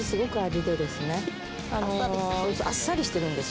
そう、あっさりしてるんです。